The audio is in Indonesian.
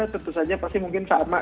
tentu saja pasti mungkin sama